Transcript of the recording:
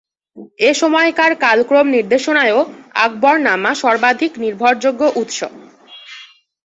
এ সময়কার কালক্রম নির্দেশনায়ও আকবরনামা সর্বাধিক নির্ভরযোগ্য উৎস।